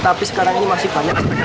tapi sekarang ini masih banyak